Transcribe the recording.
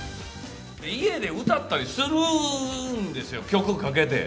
家で歌ったりするんですよ、曲かけて。